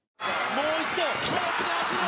もう一度ロープに走る！